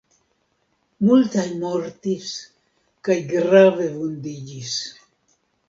Multaj mortis kaj grave vundiĝis.